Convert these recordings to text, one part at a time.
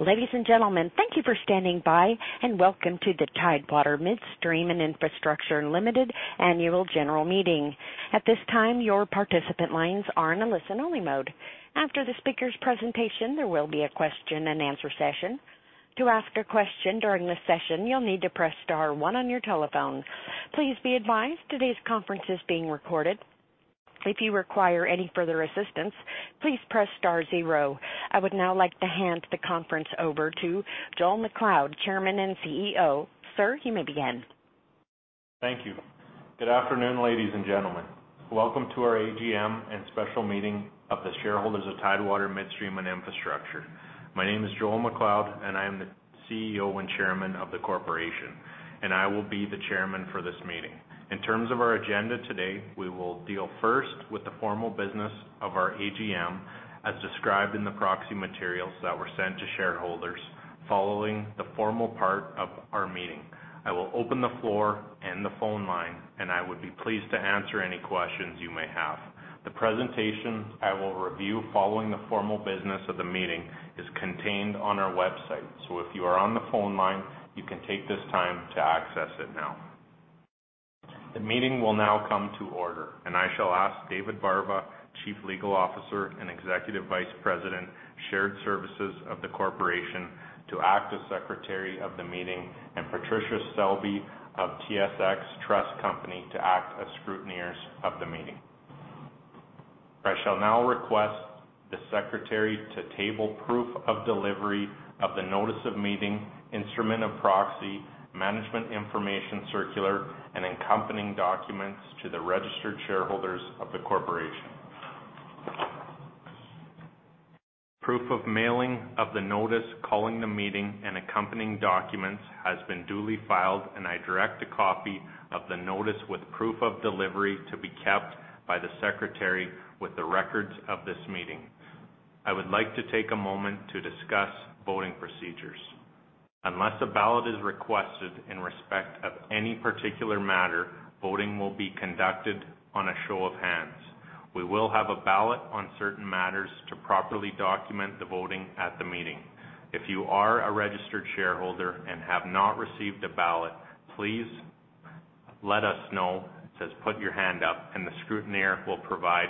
Ladies and gentlemen, thank you for standing by, welcome to the Tidewater Midstream and Infrastructure Limited Annual General Meeting. At this time, your participant lines are in a listen-only mode. After the speaker's presentation, there will be a question and answer session. To ask a question during the session, you'll need to press star one on your telephone. Please be advised today's conference is being recorded. If you require any further assistance, please press star zero. I would now like to hand the conference over to Joel MacLeod, Chairman and CEO. Sir, you may begin. Thank you. Good afternoon, ladies and gentlemen. Welcome to our AGM and special meeting of the shareholders of Tidewater Midstream and Infrastructure. My name is Joel MacLeod. I am the CEO and Chairman of the corporation. I will be the Chairman for this meeting. In terms of our agenda today, we will deal first with the formal business of our AGM, as described in the proxy materials that were sent to shareholders. Following the formal part of our meeting, I will open the floor and the phone line. I would be pleased to answer any questions you may have. The presentation I will review following the formal business of the meeting is contained on our website. If you are on the phone line, you can take this time to access it now. The meeting will now come to order, I shall ask David Barba, Chief Legal Officer and Executive Vice President, Shared Services of the corporation, to act as Secretary of the meeting and Patricia Selby of TSX Trust Company to act as scrutineers of the meeting. I shall now request the Secretary to table proof of delivery of the notice of meeting, instrument of proxy, management information circular, and accompanying documents to the registered shareholders of the corporation. Proof of mailing of the notice calling the meeting and accompanying documents has been duly filed, I direct a copy of the notice with proof of delivery to be kept by the Secretary with the records of this meeting. I would like to take a moment to discuss voting procedures. Unless a ballot is requested in respect of any particular matter, voting will be conducted on a show of hands. We will have a ballot on certain matters to properly document the voting at the meeting. If you are a registered shareholder and have not received a ballot, please let us know. It says put your hand up and the scrutineer will provide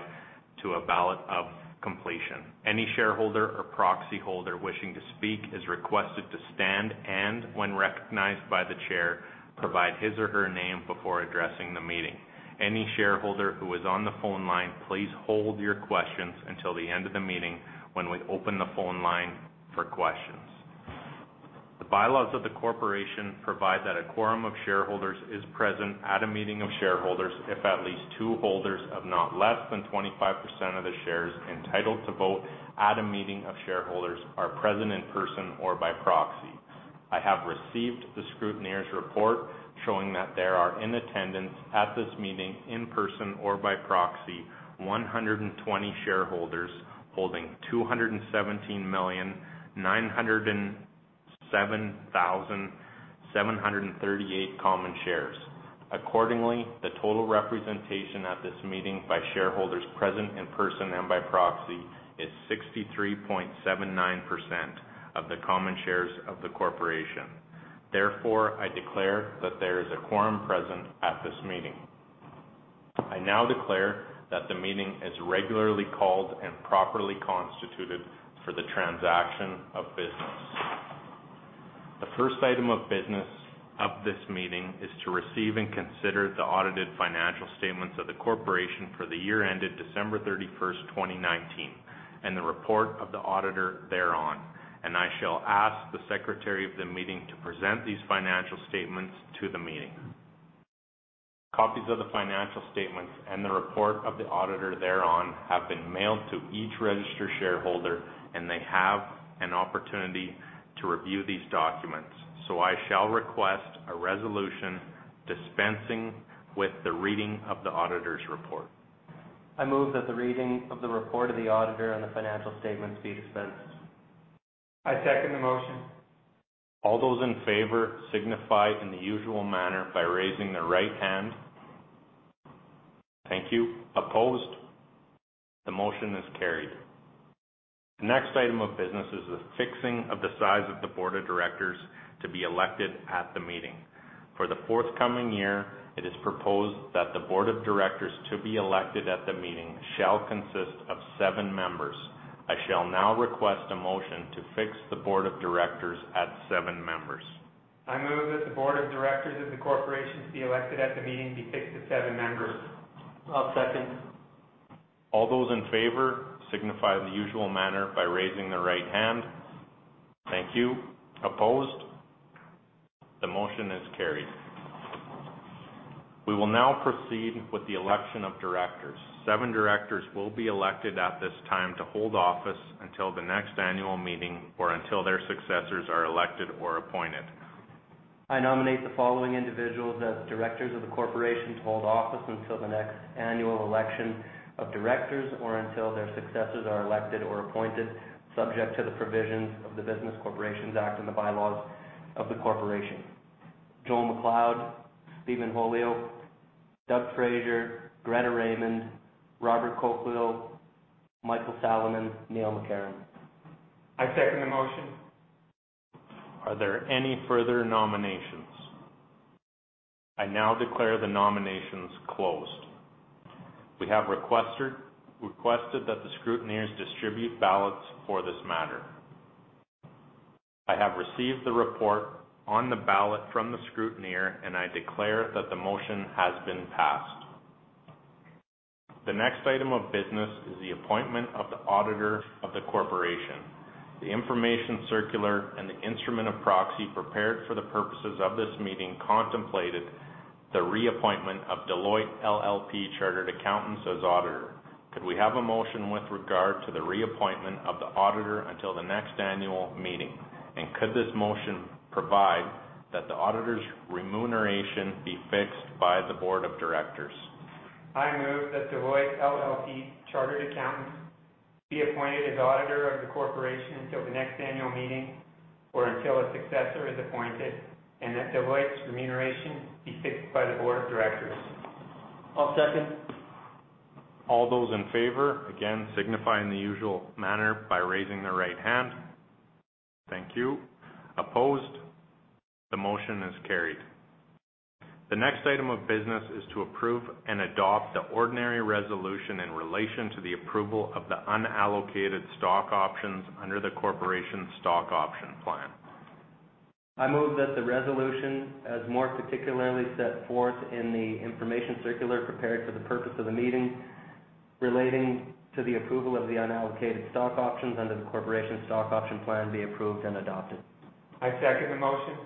to a ballot of completion. Any shareholder or proxy holder wishing to speak is requested to stand, and when recognized by the chair, provide his or her name before addressing the meeting. Any shareholder who is on the phone line, please hold your questions until the end of the meeting when we open the phone line for questions. The bylaws of the corporation provide that a quorum of shareholders is present at a meeting of shareholders if at least two holders of not less than 25% of the shares entitled to vote at a meeting of shareholders are present in person or by proxy. I have received the scrutineer's report showing that there are in attendance at this meeting, in person or by proxy, 120 shareholders holding 217,907,738 common shares. Accordingly, the total representation at this meeting by shareholders present in person and by proxy is 63.79% of the common shares of the corporation. Therefore, I declare that there is a quorum present at this meeting. I now declare that the meeting is regularly called and properly constituted for the transaction of business. The first item of business of this meeting is to receive and consider the audited financial statements of the corporation for the year ended December 31st, 2019, and the report of the auditor thereon, and I shall ask the Secretary of the meeting to present these financial statements to the meeting. Copies of the financial statements and the report of the auditor thereon have been mailed to each registered shareholder, and they have an opportunity to review these documents. I shall request a resolution dispensing with the reading of the auditor's report. I move that the reading of the report of the auditor and the financial statements be dispensed. I second the motion. All those in favor signify in the usual manner by raising their right hand. Thank you. Opposed? The motion is carried. The next item of business is the fixing of the size of the board of directors to be elected at the meeting. For the forthcoming year, it is proposed that the board of directors to be elected at the meeting shall consist of seven members. I shall now request a motion to fix the board of directors at seven members. I move that the board of directors of the corporation to be elected at the meeting be fixed at seven members. I'll second. All those in favor signify in the usual manner by raising their right hand. Thank you. Opposed? The motion is carried. We will now proceed with the election of directors. Seven directors will be elected at this time to hold office until the next annual meeting or until their successors are elected or appointed. I nominate the following individuals as directors of the corporation to hold office until the next annual election of directors or until their successors are elected or appointed, subject to the provisions of the Business Corporations Act and the bylaws of the corporation. Joel MacLeod, Stephen Holyoake, Doug Fraser, Greta Raymond, Robert Colcleugh, Michael Salamon, Neil McCarron. I second the motion. Are there any further nominations? I now declare the nominations closed. We have requested that the scrutineers distribute ballots for this matter. I have received the report on the ballot from the scrutineer, and I declare that the motion has been passed. The next item of business is the appointment of the auditor of the corporation. The information circular and the instrument of proxy prepared for the purposes of this meeting contemplated the reappointment of Deloitte LLP Chartered Accountants as auditor. Could we have a motion with regard to the reappointment of the auditor until the next annual meeting, and could this motion provide that the auditor's remuneration be fixed by the board of directors? I move that Deloitte LLP Chartered Accountants be appointed as auditor of the corporation until the next annual meeting, or until a successor is appointed, and that Deloitte's remuneration be fixed by the board of directors. I'll second. All those in favor, again, signify in the usual manner by raising their right hand. Thank you. Opposed? The motion is carried. The next item of business is to approve and adopt the ordinary resolution in relation to the approval of the unallocated stock options under the corporation stock option plan. I move that the resolution, as more particularly set forth in the information circular prepared for the purpose of the meeting relating to the approval of the unallocated stock options under the corporation stock option plan, be approved and adopted. I second the motion.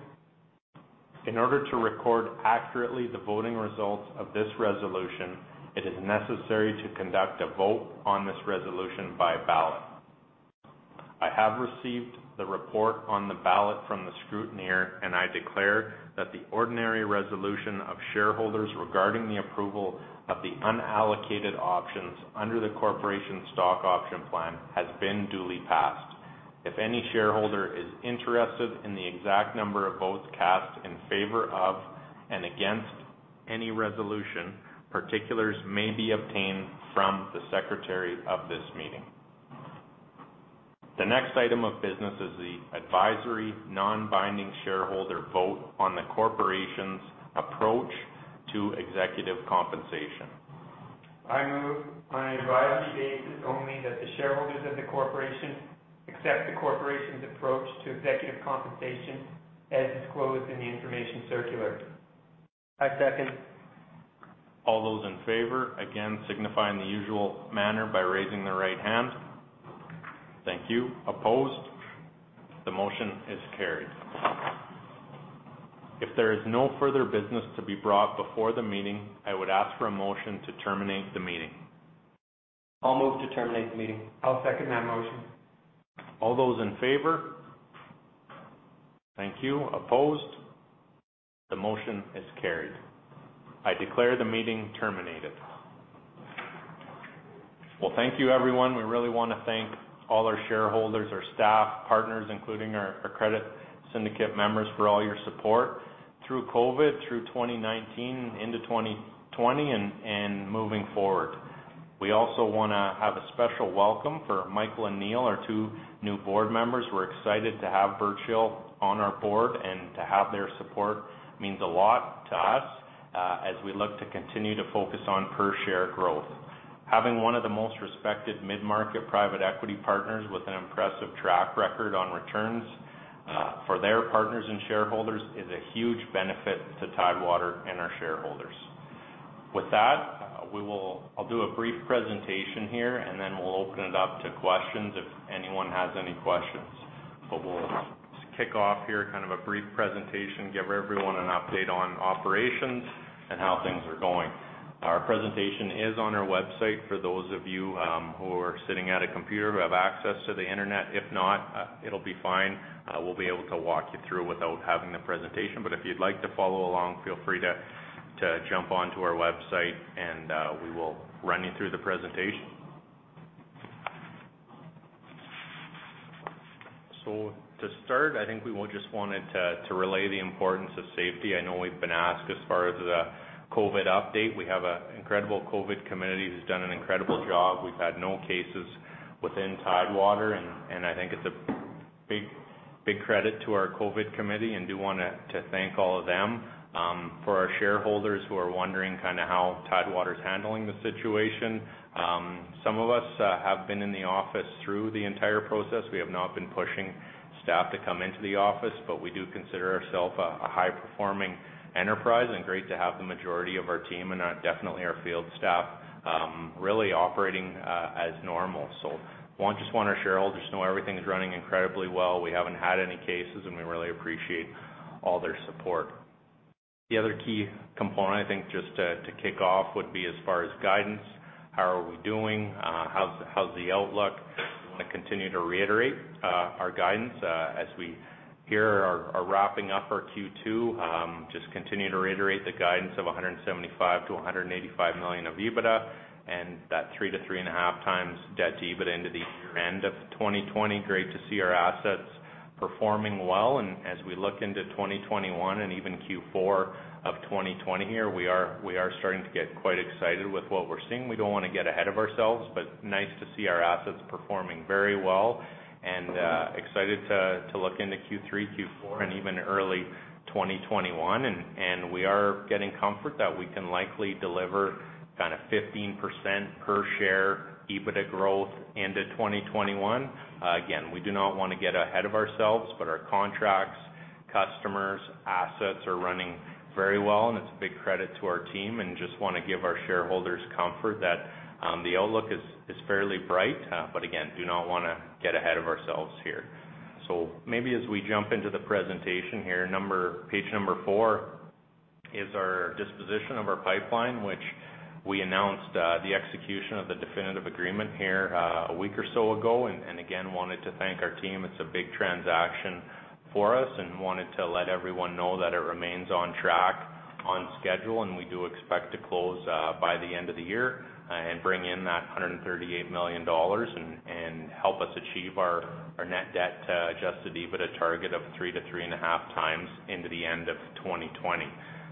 In order to record accurately the voting results of this resolution, it is necessary to conduct a vote on this resolution by ballot. I have received the report on the ballot from the scrutineer, and I declare that the ordinary resolution of shareholders regarding the approval of the unallocated options under the corporation stock option plan has been duly passed. If any shareholder is interested in the exact number of votes cast in favor of and against any resolution, particulars may be obtained from the secretary of this meeting. The next item of business is the advisory non-binding shareholder vote on the corporation's approach to executive compensation. I move on an advisory basis only that the shareholders of the corporation accept the corporation's approach to executive compensation as disclosed in the information circular. I second. All those in favor, again, signify in the usual manner by raising their right hand. Thank you. Opposed? The motion is carried. If there is no further business to be brought before the meeting, I would ask for a motion to terminate the meeting. I'll move to terminate the meeting. I'll second that motion. All those in favor? Thank you. Opposed? The motion is carried. I declare the meeting terminated. Thank you everyone. We really want to thank all our shareholders, our staff, partners, including our credit syndicate members, for all your support through COVID, through 2019 into 2020, and moving forward. We also want to have a special welcome for Michael and Neil, our two new board members. We're excited to have Birch Hill on our board, and to have their support means a lot to us, as we look to continue to focus on per share growth. Having one of the most respected mid-market private equity partners with an impressive track record on returns for their partners and shareholders is a huge benefit to Tidewater and our shareholders. With that, I'll do a brief presentation here, and then we'll open it up to questions if anyone has any questions. We'll kick off here, kind of a brief presentation, give everyone an update on operations and how things are going. Our presentation is on our website for those of you who are sitting at a computer who have access to the internet. If not, it'll be fine. We'll be able to walk you through without having the presentation. If you'd like to follow along, feel free to jump onto our website and we will run you through the presentation. To start, I think we just wanted to relay the importance of safety. I know we've been asked as far as the COVID update. We have an incredible COVID committee who's done an incredible job. We've had no cases within Tidewater, and I think it's a big credit to our COVID committee and do want to thank all of them. For our shareholders who are wondering how Tidewater's handling the situation, some of us have been in the office through the entire process. We have not been pushing staff to come into the office, but we do consider ourself a high-performing enterprise, and great to have the majority of our team and definitely our field staff really operating as normal. Just want our shareholders to know everything is running incredibly well. We haven't had any cases, and we really appreciate all their support. The other key component, I think, just to kick off, would be as far as guidance. How are we doing? How's the outlook? I want to continue to reiterate our guidance. As we here are wrapping up our Q2, just continue to reiterate the guidance of 175 million-185 million of EBITDA and that 3-3.5x debt to EBITDA into the year-end of 2020. Great to see our assets performing well. As we look into 2021 and even Q4 of 2020 here, we are starting to get quite excited with what we're seeing. We don't want to get ahead of ourselves. Nice to see our assets performing very well and excited to look into Q3, Q4, and even early 2021. We are getting comfort that we can likely deliver 15% per share EBITDA growth into 2021. Again, we do not want to get ahead of ourselves. Our contracts, customers, assets are running very well. It's a big credit to our team. Just want to give our shareholders comfort that the outlook is fairly bright. Again, do not want to get ahead of ourselves here. Maybe as we jump into the presentation here, page number four is our disposition of our pipeline, which we announced the execution of the definitive agreement here a week or so ago. Again, wanted to thank our team. It's a big transaction for us, wanted to let everyone know that it remains on track, on schedule, and we do expect to close by the end of the year and bring in that 138 million dollars and help us achieve our net debt to adjusted EBITDA target of 3 to 3.5 times into the end of 2020.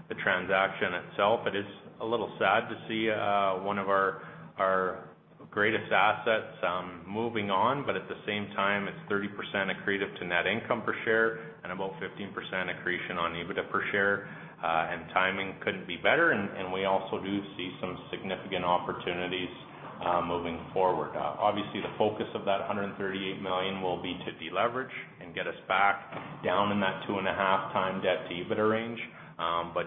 The transaction itself, it is a little sad to see one of our greatest assets moving on, but at the same time, it's 30% accretive to net income per share and about 15% accretion on EBITDA per share. Timing couldn't be better, and we also do see some significant opportunities moving forward. Obviously, the focus of that 138 million will be to deleverage and get us back down in that 2.5 times debt to EBITDA range.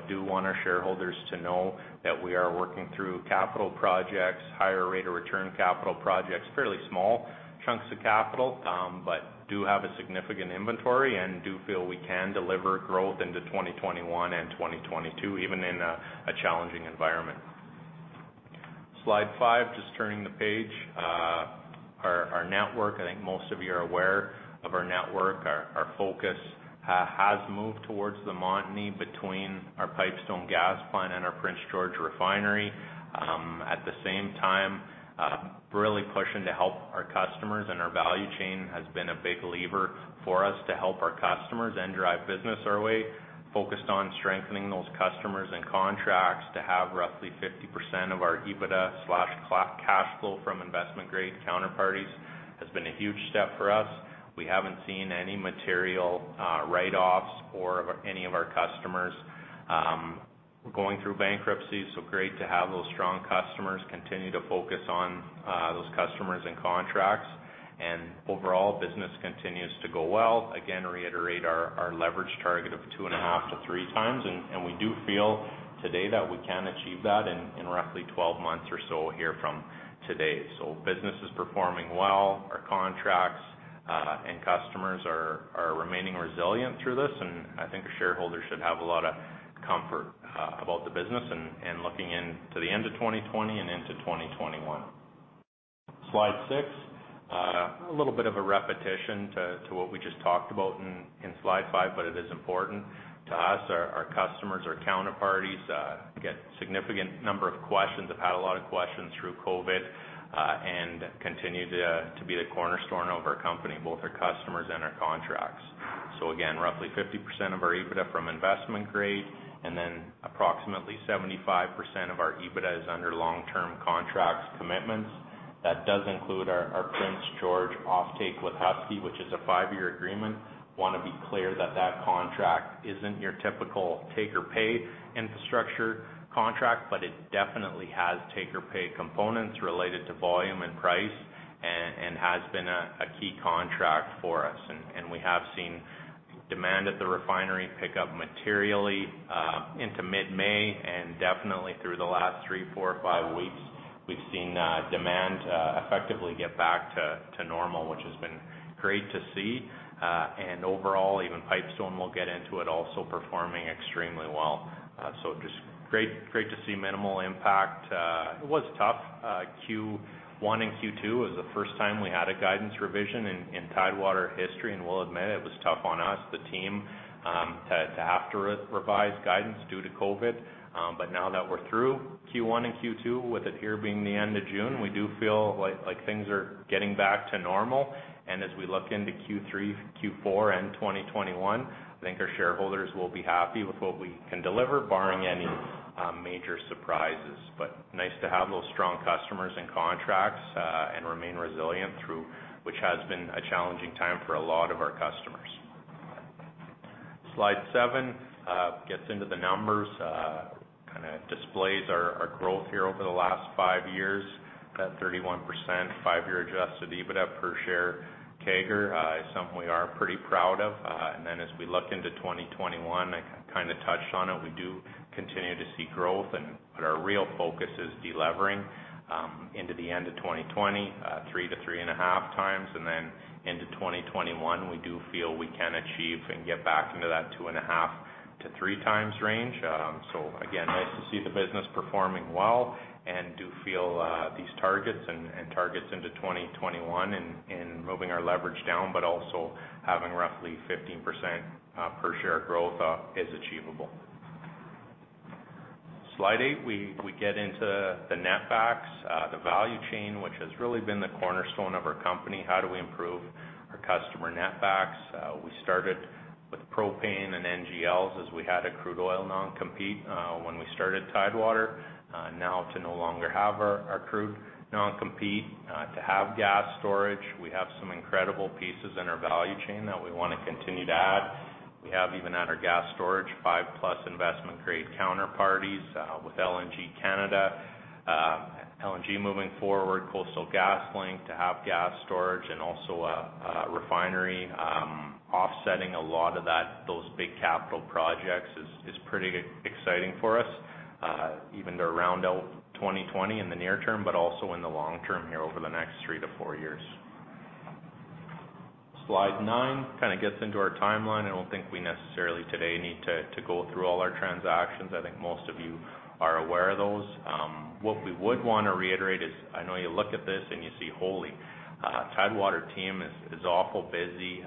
Do want our shareholders to know that we are working through capital projects, higher rate of return capital projects, fairly small chunks of capital, but do have a significant inventory and do feel we can deliver growth into 2021 and 2022, even in a challenging environment. Slide five, just turning the page. Our network, I think most of you are aware of our network. Our focus has moved towards the Montney between our Pipestone gas plant and our Prince George refinery. At the same time, really pushing to help our customers and our value chain has been a big lever for us to help our customers and drive business our way. Focused on strengthening those customers and contracts to have roughly 50% of our EBITDA/cash flow from investment-grade counterparties has been a huge step for us. We haven't seen any material write-offs for any of our customers going through bankruptcy, so great to have those strong customers, continue to focus on those customers and contracts. Overall, business continues to go well. Again, reiterate our leverage target of two and a half to three times, and we do feel today that we can achieve that in roughly 12 months or so here from today. Business is performing well. Our contracts and customers are remaining resilient through this. I think our shareholders should have a lot of comfort about the business and looking into the end of 2020 and into 2021. Slide six. A little bit of a repetition to what we just talked about in slide five. It is important to us, our customers, our counterparties. Get significant number of questions, have had a lot of questions through COVID, continue to be the cornerstone of our company, both our customers and our contracts. Again, roughly 50% of our EBITDA from investment grade, approximately 75% of our EBITDA is under long-term contracts commitments. That does include our Prince George offtake with Husky, which is a five-year agreement. Want to be clear that that contract isn't your typical take-or-pay infrastructure contract, but it definitely has take-or-pay components related to volume and price and has been a key contract for us. We have seen demand at the refinery pick up materially into mid-May and definitely through the last three, four, five weeks, we've seen demand effectively get back to normal, which has been great to see. Overall, even Pipestone, we'll get into it, also performing extremely well. Just great to see minimal impact. It was tough. Q1 and Q2 was the first time we had a guidance revision in Tidewater history, and we'll admit it was tough on us, the team, to have to revise guidance due to COVID. Now that we're through Q1 and Q2, with it here being the end of June, we do feel like things are getting back to normal. As we look into Q3, Q4, and 2021, I think our shareholders will be happy with what we can deliver, barring any major surprises. Nice to have those strong customers and contracts and remain resilient through which has been a challenging time for a lot of our customers. Slide seven gets into the numbers, displays our growth here over the last five years. That 31% five-year adjusted EBITDA per share CAGR is something we are pretty proud of. As we look into 2021, I kind of touched on it, we do continue to see growth, but our real focus is delevering into the end of 2020, 3-3.5 times. Into 2021, we do feel we can achieve and get back into that 2.5-3 times range. Again, nice to see the business performing well and do feel these targets and targets into 2021 and moving our leverage down, but also having roughly 15% per share growth is achievable. Slide eight, we get into the netbacks, the value chain, which has really been the cornerstone of our company. How do we improve our customer netbacks? We started with propane and NGLs as we had a crude oil non-compete when we started Tidewater. Now to no longer have our crude non-compete, to have gas storage, we have some incredible pieces in our value chain that we want to continue to add. We have, even at our gas storage, 5-plus investment-grade counterparties with LNG Canada. LNG moving forward, Coastal GasLink to have gas storage and also a refinery offsetting a lot of those big capital projects is pretty exciting for us. Even to round out 2020 in the near term, but also in the long term here over the next three to four years. Slide nine gets into our timeline. I don't think we necessarily today need to go through all our transactions. I think most of you are aware of those. What we would want to reiterate is, I know you look at this and you see, holy, Tidewater team is awful busy.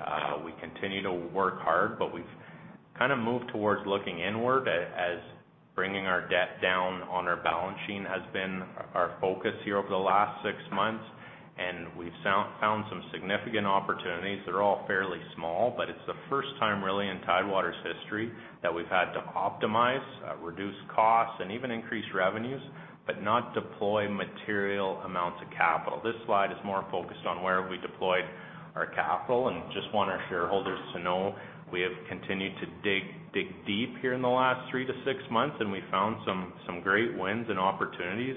We continue to work hard, but we've moved towards looking inward as bringing our debt down on our balance sheet has been our focus here over the last six months, and we've found some significant opportunities. They're all fairly small, but it's the first time really in Tidewater's history that we've had to optimize, reduce costs, and even increase revenues, but not deploy material amounts of capital. This slide is more focused on where we deployed our capital. Just want our shareholders to know we have continued to dig deep here in the last three to six months, and we found some great wins and opportunities.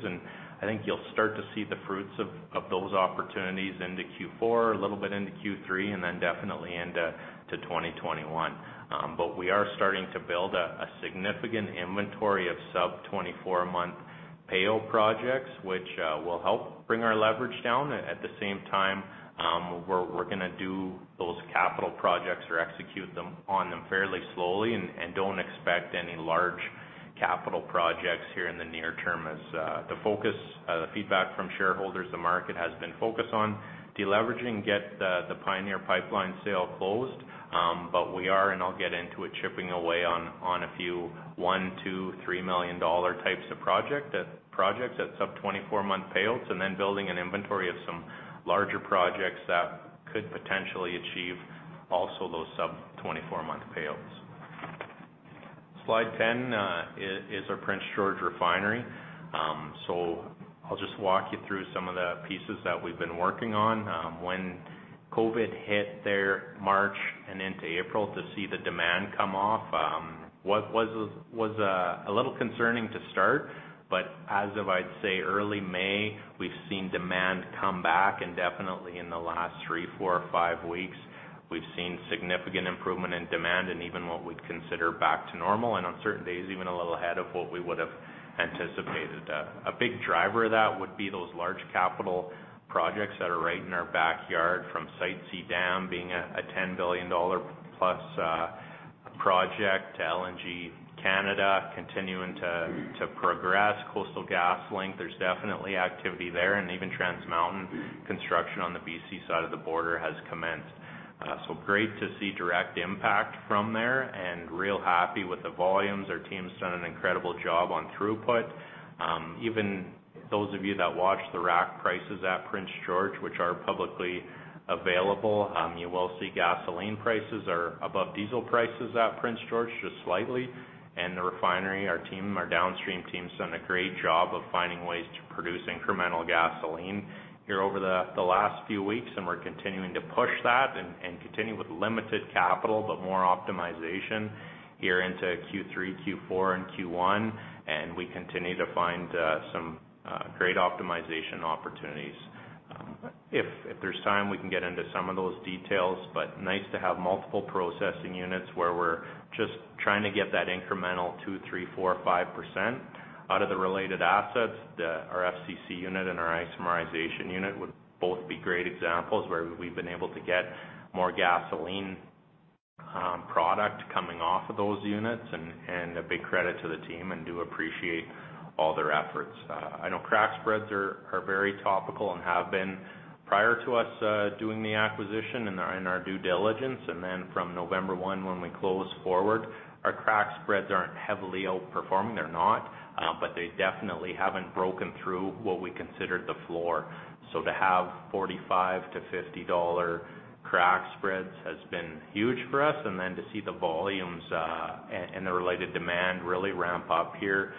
I think you'll start to see the fruits of those opportunities into Q4, a little bit into Q3, and then definitely into 2021. We are starting to build a significant inventory of sub-24-month pay-out projects, which will help bring our leverage down. At the same time, we're going to do those capital projects or execute them on them fairly slowly and don't expect any large capital projects here in the near term as the feedback from shareholders, the market has been focused on de-leveraging, get the Pioneer Pipeline sale closed. We are, and I'll get into it, chipping away on a few 1 million, 2 million, 3 million dollar types of projects at sub-24-month payouts, and then building an inventory of some larger projects that could potentially achieve also those sub-24-month payouts. Slide 10 is our Prince George Refinery. I'll just walk you through some of the pieces that we've been working on. When COVID hit there March and into April to see the demand come off was a little concerning to start, but as of I'd say early May, we've seen demand come back and definitely in the last three, four, or five weeks, we've seen significant improvement in demand and even what we'd consider back to normal and on certain days, even a little ahead of what we would have anticipated. A big driver of that would be those large capital projects that are right in our backyard from Site C Dam being a 10 billion dollar-plus project to LNG Canada continuing to progress. Coastal GasLink, there's definitely activity there and even Trans Mountain construction on the B.C. side of the border has commenced. Great to see direct impact from there and real happy with the volumes. Our team's done an incredible job on throughput. Even those of you that watch the rack prices at Prince George, which are publicly available, you will see gasoline prices are above diesel prices at Prince George just slightly and the refinery, our downstream team's done a great job of finding ways to produce incremental gasoline here over the last few weeks, and we're continuing to push that and continue with limited capital, but more optimization here into Q3, Q4, and Q1, and we continue to find some great optimization opportunities. If there's time, we can get into some of those details, but nice to have multiple processing units where we're just trying to get that incremental 2%, 3%, 4%, 5% out of the related assets. Our FCC unit and our isomerization unit would both be great examples where we've been able to get more gasoline product coming off of those units and a big credit to the team and do appreciate all their efforts. I know crack spreads are very topical and have been prior to us doing the acquisition and in our due diligence, and then from November 1 when we closed forward, our crack spreads aren't heavily outperforming. They're not. They definitely haven't broken through what we considered the floor. To have 45-50 dollar crack spreads has been huge for us, and then to see the volumes and the related demand really ramp up here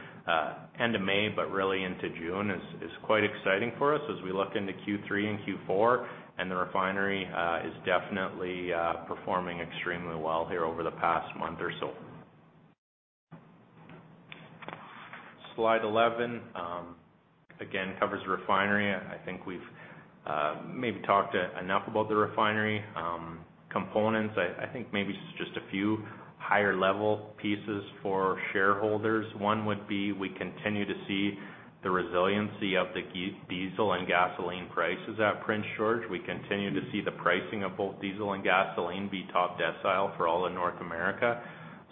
end of May, but really into June is quite exciting for us as we look into Q3 and Q4, and the refinery is definitely performing extremely well here over the past month or so. Slide 11, again, covers refinery. I think we've maybe talked enough about the refinery components. I think maybe just a few higher-level pieces for shareholders. One would be we continue to see the resiliency of the diesel and gasoline prices at Prince George. We continue to see the pricing of both diesel and gasoline be top decile for all of North America.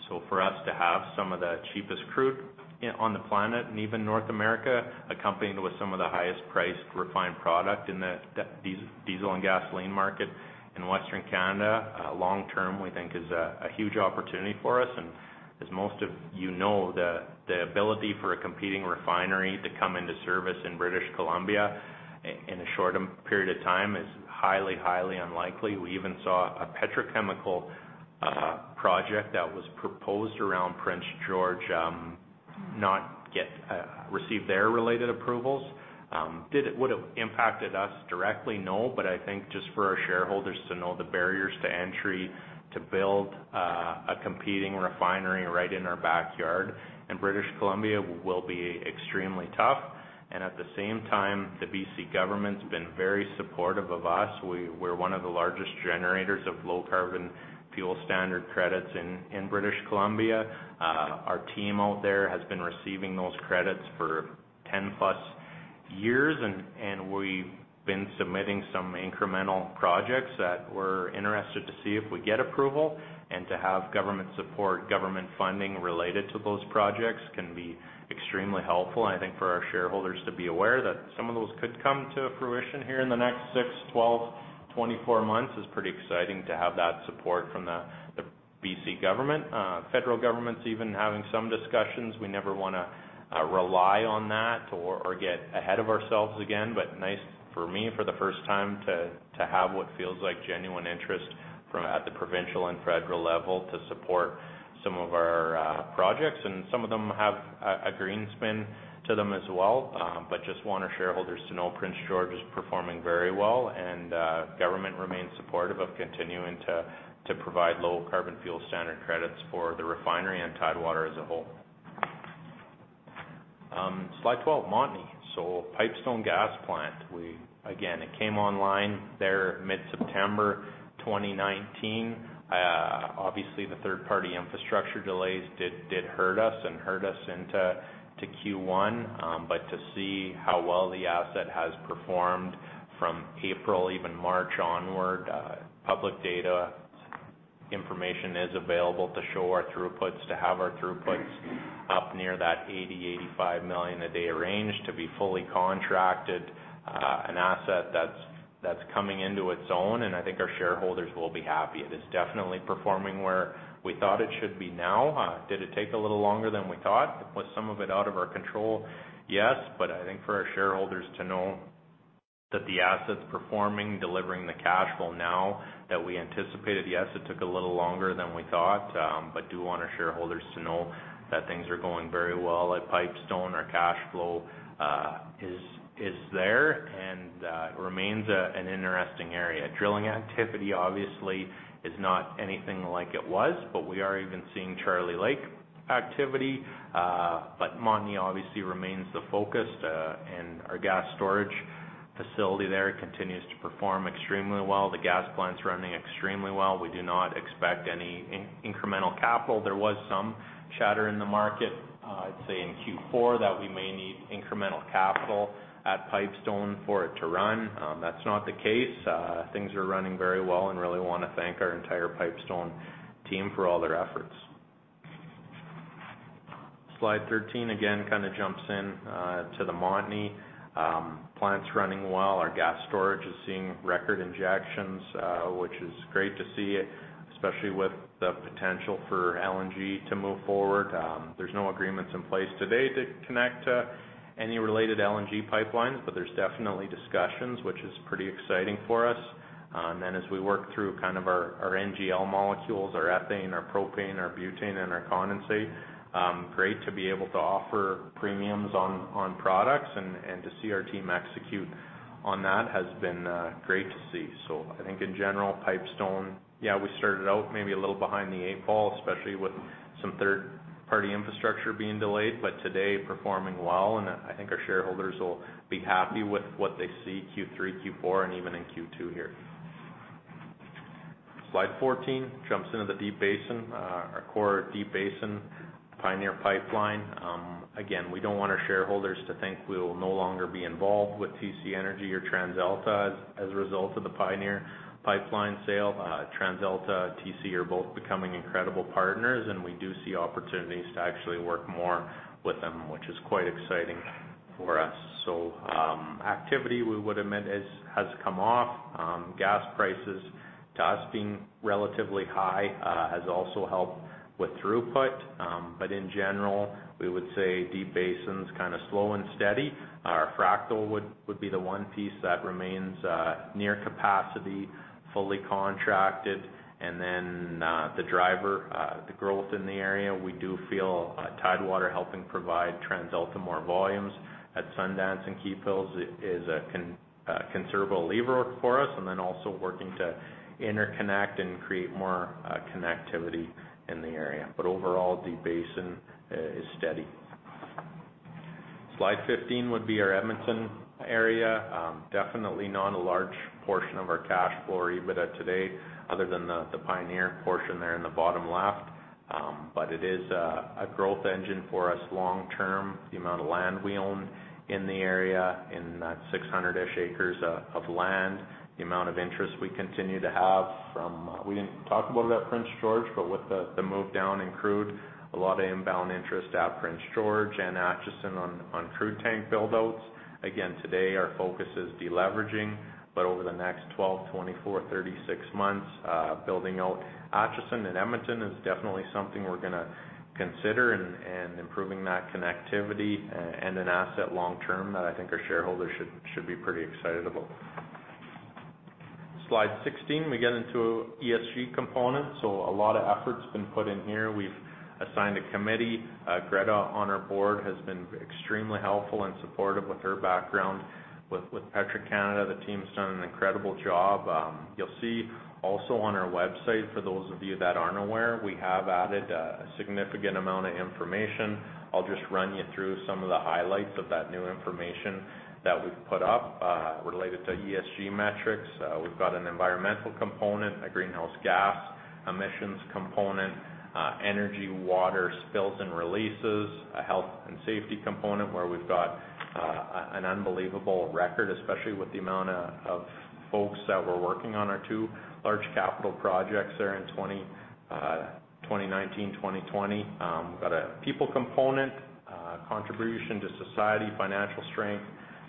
So for us to have some of the cheapest crude on the planet and even North America, accompanied with some of the highest priced refined product in the diesel and gasoline market in Western Canada, long term, we think is a huge opportunity for us. As most of you know, the ability for a competing refinery to come into service in British Columbia in a short period of time is highly unlikely. We even saw a petrochemical project that was proposed around Prince George not receive their related approvals. Did it would've impacted us directly? No, I think just for our shareholders to know the barriers to entry to build a competing refinery right in our backyard in British Columbia will be extremely tough. At the same time, the BC government's been very supportive of us. We're one of the largest generators of Low Carbon Fuel Standard credits in British Columbia. Our team out there has been receiving those credits for 10 plus years, and we've been submitting some incremental projects that we're interested to see if we get approval and to have government support, government funding related to those projects can be extremely helpful. I think for our shareholders to be aware that some of those could come to fruition here in the next six, 12, 24 months is pretty exciting to have that support from the B.C. government. Federal government's even having some discussions. We never want to rely on that or get ahead of ourselves again, but nice for me for the first time to have what feels like genuine interest from at the provincial and federal level to support some of our projects. Some of them have a green spin to them as well. Just want our shareholders to know Prince George is performing very well, and government remains supportive of continuing to provide Low Carbon Fuel Standard credits for the refinery and Tidewater as a whole. Slide 12, Montney. Pipestone gas plant, again, it came online there mid-September 2019. The third-party infrastructure delays did hurt us and hurt us into Q1. To see how well the asset has performed from April, even March onward, public data information is available to show our throughputs, to have our throughputs up near that 80, 85 million a day range to be fully contracted, an asset that's coming into its own, and I think our shareholders will be happy. It is definitely performing where we thought it should be now. Did it take a little longer than we thought? Was some of it out of our control? Yes. I think for our shareholders to know that the asset's performing, delivering the cash flow now that we anticipated, yes, it took a little longer than we thought, but do want our shareholders to know that things are going very well at Pipestone. Our cash flow is there and remains an interesting area. Drilling activity obviously is not anything like it was. We are even seeing Charlie Lake activity. Montney obviously remains the focus, and our gas storage facility there continues to perform extremely well. The gas plant's running extremely well. We do not expect any incremental capital. There was some chatter in the market, I'd say in Q4, that we may need incremental capital at Pipestone for it to run. That's not the case. Things are running very well, and really want to thank our entire Pipestone team for all their efforts. Slide 13, again, jumps into the Montney. Plant's running well. Our gas storage is seeing record injections, which is great to see, especially with the potential for LNG to move forward. There's no agreements in place today to connect any related LNG pipelines. There's definitely discussions, which is pretty exciting for us. As we work through our NGL molecules, our ethane, our propane, our butane, and our condensate, great to be able to offer premiums on products and to see our team execute on that has been great to see. I think in general, Pipestone, yeah, we started out maybe a little behind the eight ball, especially with some third-party infrastructure being delayed. Today performing well, and I think our shareholders will be happy with what they see Q3, Q4, and even in Q2 here. Slide 14 jumps into the Deep Basin. Our core Deep Basin Pioneer Pipeline. Again, we don't want our shareholders to think we will no longer be involved with TC Energy or TransAlta as a result of the Pioneer Pipeline sale. TransAlta and TC are both becoming incredible partners. We do see opportunities to actually work more with them, which is quite exciting for us. Activity we would admit has come off. Gas prices, to us being relatively high, has also helped with throughput. In general, we would say Deep Basin's slow and steady. Our Brazeau River Fractionation would be the one piece that remains near capacity, fully contracted. The driver, the growth in the area, we do feel Tidewater helping provide TransAlta more volumes at Sundance and Keephills is a considerable lever for us. Also working to interconnect and create more connectivity in the area. Overall, Deep Basin is steady. Slide 15 would be our Edmonton area. Definitely not a large portion of our cash flow or EBITDA today other than the Pioneer portion there in the bottom left. It is a growth engine for us long term, the amount of land we own in the area in that 600-ish acres of land, the amount of interest we continue to have. We didn't talk about it at Prince George, but with the move down in crude, a lot of inbound interest at Prince George and Acheson on crude tank build-outs. Again, today our focus is deleveraging, but over the next 12, 24, 36 months, building out Acheson and Edmonton is definitely something we're going to consider in improving that connectivity and an asset long term that I think our shareholders should be pretty excited about. Slide 16, we get into ESG components. A lot of effort's been put in here. We've assigned a committee. Greta on our board has been extremely helpful and supportive with her background with Petro-Canada. The team's done an incredible job. You'll see also on our website, for those of you that aren't aware, we have added a significant amount of information. I'll just run you through some of the highlights of that new information that we've put up related to ESG metrics. We've got an environmental component, a greenhouse gas emissions component, energy water spills and releases, a health and safety component where we've got an unbelievable record, especially with the amount of folks that we're working on our two large capital projects there in 2019, 2020. We've got a people component, contribution to society, financial strength,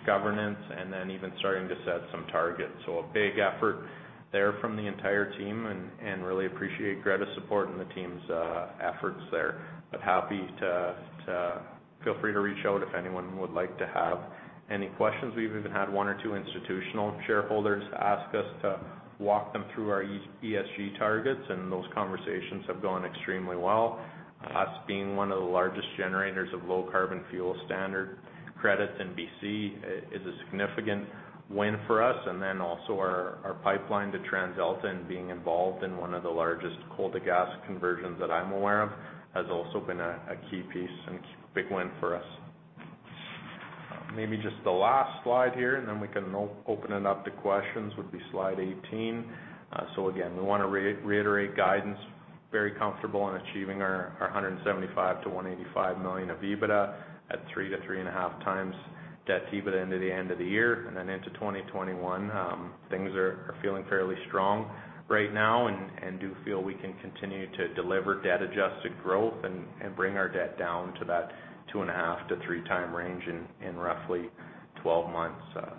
governance, and then even starting to set some targets. A big effort there from the entire team, and really appreciate Greta's support and the team's efforts there. Happy to feel free to reach out if anyone would like to have any questions. We've even had one or two institutional shareholders ask us to walk them through our ESG targets, and those conversations have gone extremely well. Us being one of the largest generators of Low Carbon Fuel Standard credits in B.C. is a significant win for us, and then also our pipeline to TransAlta and being involved in one of the largest coal to gas conversions that I'm aware of has also been a key piece and a big win for us. Maybe just the last slide here, and then we can open it up to questions, would be slide 18. Again, we want to reiterate guidance. Very comfortable in achieving our 175 million-185 million of EBITDA at 3-3.5 times debt EBITDA into the end of the year. Into 2021, things are feeling fairly strong right now and do feel we can continue to deliver debt-adjusted growth and bring our debt down to that two and a half to three time range in roughly 12 months.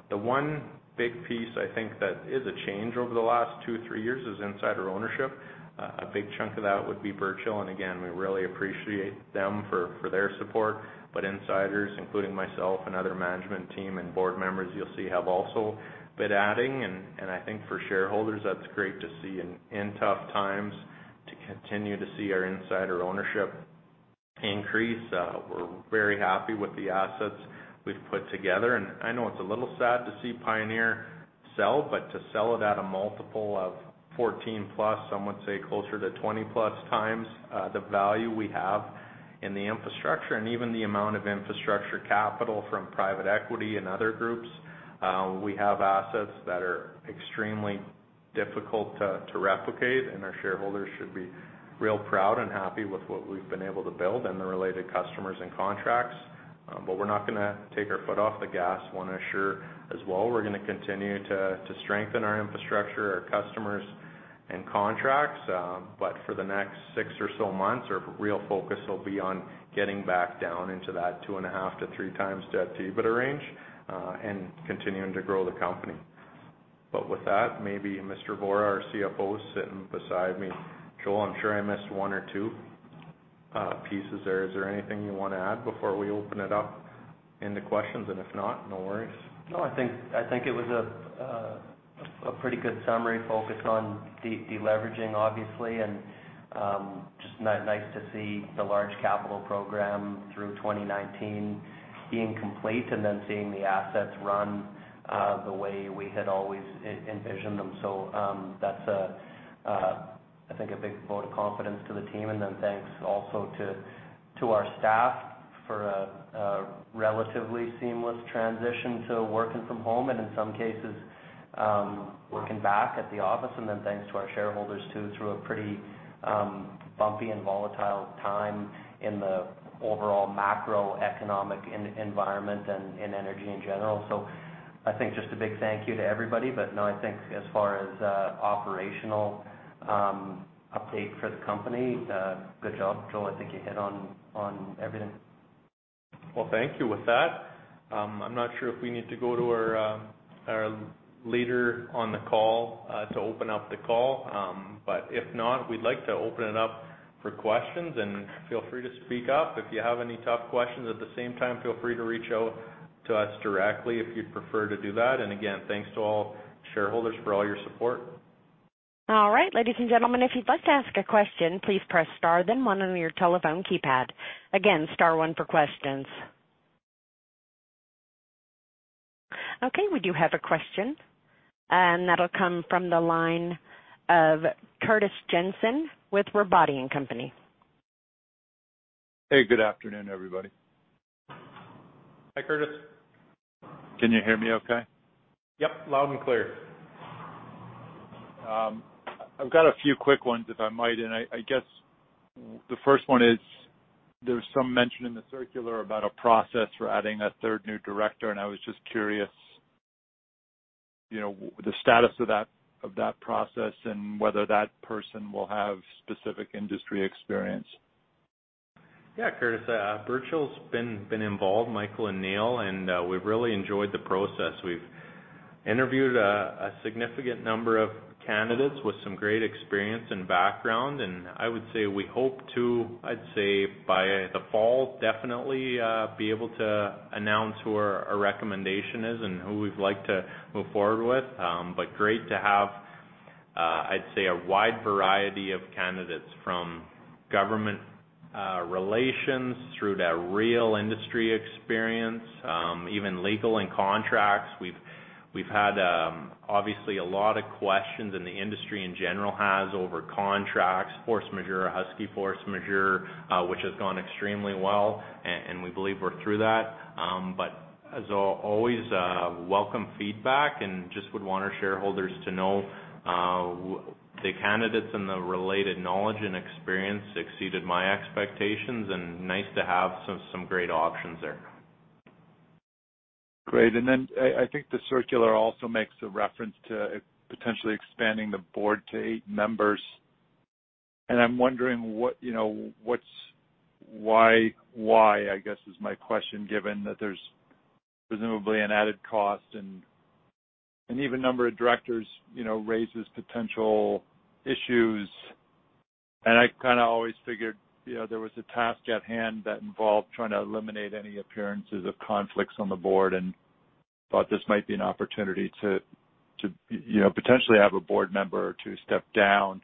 The one big piece I think that is a change over the last two, three years is insider ownership. A big chunk of that would be Birch Hill. Again, we really appreciate them for their support. Insiders, including myself and other management team and board members you'll see have also been adding. I think for shareholders, that's great to see in tough times to continue to see our insider ownership increase. We're very happy with the assets we've put together, and I know it's a little sad to see Pioneer sell, but to sell it at a multiple of 14+ some would say closer to 20+ times the value we have in the infrastructure and even the amount of infrastructure capital from private equity and other groups. We have assets that are extremely difficult to replicate, and our shareholders should be real proud and happy with what we've been able to build and the related customers and contracts. We're not going to take our foot off the gas. I want to assure as well, we're going to continue to strengthen our infrastructure, our customers, and contracts. For the next six or so months, our real focus will be on getting back down into that two and a half to three times debt EBITDA range, and continuing to grow the company. With that, maybe Mr. Vorra, our CFO, sitting beside me. Joel, I am sure I missed one or two pieces there. Is there anything you want to add before we open it up into questions? If not, no worries. I think it was a pretty good summary focused on de-leveraging obviously and just nice to see the large capital program through 2019 being complete, seeing the assets run the way we had always envisioned them. That's I think a big vote of confidence to the team, thanks also to our staff for a relatively seamless transition to working from home and in some cases, working back at the office, thanks to our shareholders too through a pretty bumpy and volatile time in the overall macroeconomic environment in energy in general. I think just a big thank you to everybody. I think as far as operational update for the company, good job, Joel. I think you hit on everything. Well, thank you. With that, I'm not sure if we need to go to our leader on the call to open up the call. If not, we'd like to open it up for questions and feel free to speak up. If you have any tough questions at the same time, feel free to reach out to us directly if you'd prefer to do that. Again, thanks to all shareholders for all your support. All right, ladies and gentlemen. If you'd like to ask a question, please press star then one on your telephone keypad. Again, star one for questions. Okay, we do have a question, that'll come from the line of Curtis Jensen with Robotti & Company. Hey, good afternoon, everybody. Hi, Curtis. Can you hear me okay? Yep, loud and clear. I've got a few quick ones if I might. I guess the first one is there was some mention in the circular about a process for adding a third new director. I was just curious the status of that process and whether that person will have specific industry experience. Yeah, Curtis, Birch Hill's been involved, Michael and Neil, we've really enjoyed the process. We've interviewed a significant number of candidates with some great experience and background, I would say we hope to, I'd say by the fall, definitely be able to announce who our recommendation is and who we'd like to move forward with. Great to have I'd say a wide variety of candidates from government relations through to real industry experience, even legal and contracts. We've had obviously a lot of questions, the industry in general has, over contracts, force majeure, Husky force majeure, which has gone extremely well, we believe we're through that. As always, welcome feedback, just would want our shareholders to know the candidates and the related knowledge and experience exceeded my expectations, nice to have some great options there. Great. I think the circular also makes a reference to potentially expanding the board to eight members. I'm wondering why, I guess is my question, given that there's presumably an added cost and even number of directors raises potential issues. I kind of always figured there was a task at hand that involved trying to eliminate any appearances of conflicts on the board and thought this might be an opportunity to potentially have a board member or two step down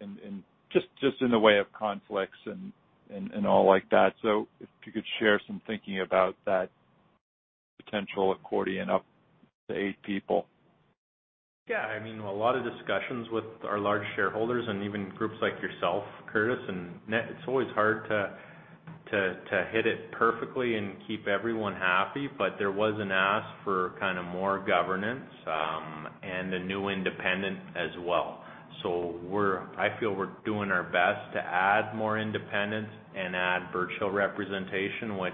and just in the way of conflicts and all like that. If you could share some thinking about that potential accordion up to eight people. A lot of discussions with our large shareholders and even groups like yourself, Curtis, and it's always hard to hit it perfectly and keep everyone happy. There was an ask for kind of more governance and a new independent as well. I feel we're doing our best to add more independence and add Birch Hilll representation, which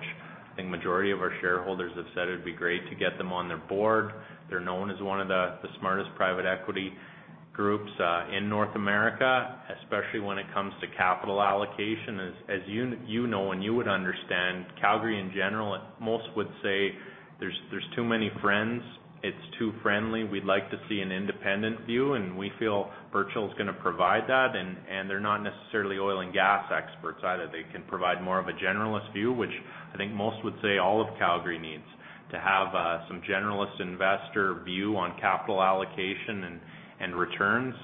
I think majority of our shareholders have said it'd be great to get them on the board. They're known as one of the smartest private equity groups in North America, especially when it comes to capital allocation. As you know and you would understand, Calgary in general, most would say there's too many friends, it's too friendly. We'd like to see an independent view, and we feel Birch Hill is going to provide that. They're not necessarily oil and gas experts either. They can provide more of a generalist view, which I think most would say all of Calgary needs, to have some generalist investor view on capital allocation and returns.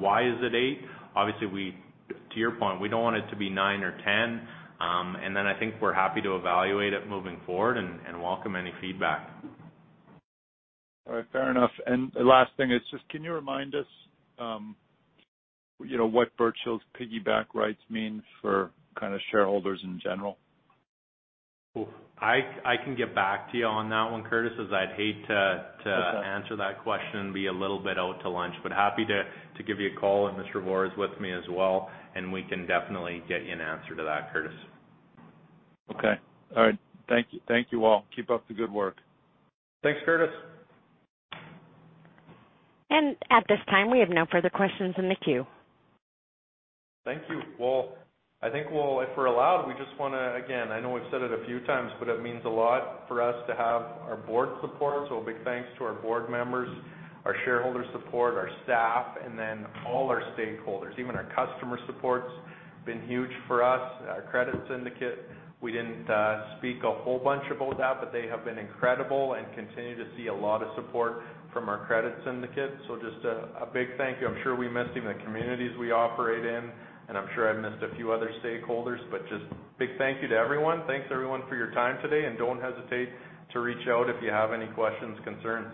Why is it eight? Obviously, to your point, we don't want it to be nine or 10. I think we're happy to evaluate it moving forward and welcome any feedback. All right. Fair enough. The last thing is just can you remind us what Birch Hill's piggyback rights mean for kind of shareholders in general? I can get back to you on that one, Curtis, as I'd hate to answer that question and be a little bit out to lunch, but happy to give you a call. Mr. Vorra is with me as well, and we can definitely get you an answer to that, Curtis. Okay. All right. Thank you all. Keep up the good work. Thanks, Curtis. At this time, we have no further questions in the queue. Thank you. I think if we're allowed, we just want to, again, I know we've said it a few times, but it means a lot for us to have our board support. A big thanks to our board members, our shareholder support, our staff, and all our stakeholders. Even our customer support's been huge for us. Our credit syndicate, we didn't speak a whole bunch about that, they have been incredible and continue to see a lot of support from our credit syndicate. Just a big thank you. I'm sure we missed even the communities we operate in, I'm sure I've missed a few other stakeholders, just big thank you to everyone. Thanks everyone for your time today, don't hesitate to reach out if you have any questions, concerns.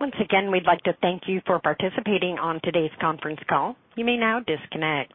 Once again, we'd like to thank you for participating on today's conference call. You may now disconnect.